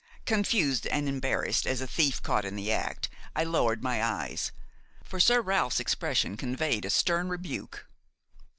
Confused and embarrassed as a thief caught in the act, I lowered my eyes, for Sir Ralph's expression conveyed a stern rebuke.